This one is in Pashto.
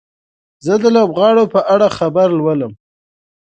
زه د لوبغاړي په اړه خبر لولم.